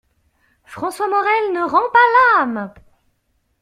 François Morel ne rend pas l'âme!